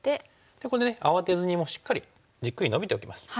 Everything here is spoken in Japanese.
ここで慌てずにもうしっかりじっくりノビておきます。